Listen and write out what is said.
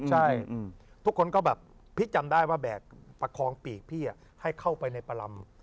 ใช่ทุกคนก็แบบพี่จำได้ว่าแบกประคองปีกพี่ให้เข้าไปในประลำ